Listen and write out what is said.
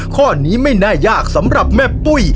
ข้อนี้ไม่น่ายากสำหรับแม่ปุ้ย